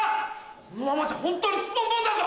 このままじゃホントにすっぽんぽんだぞ！